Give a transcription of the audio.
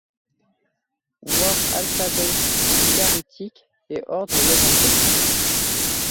Voir Alphabet ougaritique et Ordre levantin.